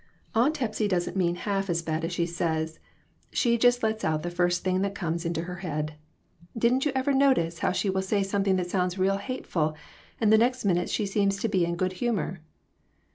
"Aunt Hepsy doesn't mean half as bad as she RECONCILIATIONS. I2/ says. She just lets out the first thing that comes into her head. Didn't you ever notice how she will say something that sounds real hateful, and the next minute she seems to be in good humor?